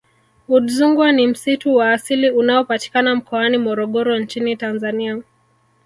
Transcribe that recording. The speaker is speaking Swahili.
Udzungwa ni msitu wa asili unaopatikana mkoani Morogoro nchini Tanzania